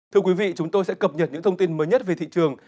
thưa quý vị chúng tôi sẽ cập nhật những thông tin mới nhất về thị trường